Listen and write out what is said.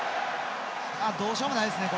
どうしようもないですね。